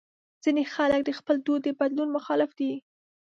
ځینې خلک د خپل دود د بدلون مخالف دي.